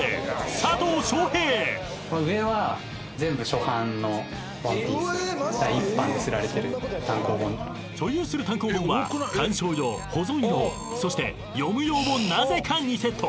［所有する単行本は観賞用保存用そして読む用もなぜか２セット］